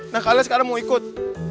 nah kalian sekarang mau ikut